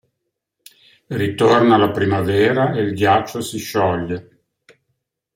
Ritorna la primavera e il ghiaccio si scioglie.